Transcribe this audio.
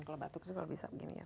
kalau batuk itu kalau bisa begini ya